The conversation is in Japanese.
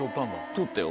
取ったよ。